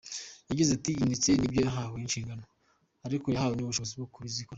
Yagize ati "Iyi Minisiteri nibyo yahawe inshingano ariko yahawe n’ubushobozi bwo kuzikora.